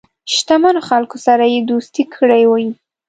شته منو خلکو سره یې دوستی کړې وي.